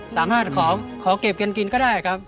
สามารถขอเก็บกันกินก็ได้ครับ